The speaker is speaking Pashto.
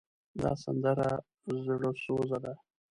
دا سندره زړوسوزه ده.